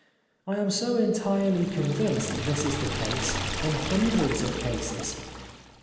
I am so entirely convinced this is the case in hundreds of cases.